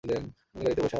উনি গাড়িতে বসে আছেন।